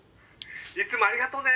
いつもありがとね。